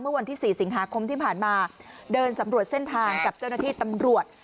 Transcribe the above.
วันที่๔สิงหาคมที่ผ่านมาเดินสำรวจเส้นทางกับเจ้าหน้าที่ตำรวจ